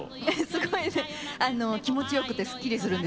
すごい気持ちよくてすっきりするんですよ。